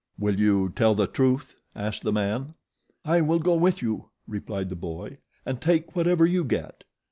"Will you tell the truth?" asked the man. "I will go with you," replied the boy, "and take whatever you get."